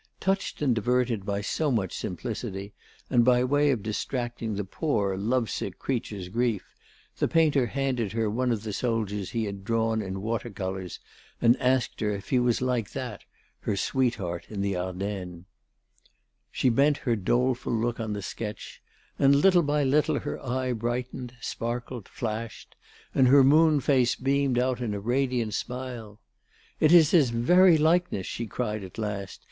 Touched and diverted by so much simplicity, and by way of distracting the poor, lovesick creature's grief, the painter handed her one of the soldiers he had drawn in water colours and asked her if he was like that, her sweetheart in the Ardennes. She bent her doleful look on the sketch, and little by little her eye brightened, sparkled, flashed, and her moon face beamed out in a radiant smile. "It is his very likeness," she cried at last.